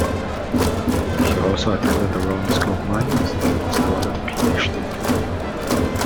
He also attended the Royal School of Mines and was awarded a PhD.